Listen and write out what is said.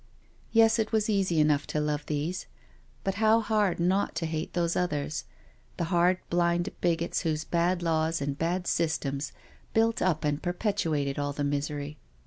Yes, it was easy enough to love these, but how hard not to hate those others— the hard, blind bigots whose bad laws and bad systems built up and perpetuated all the misery.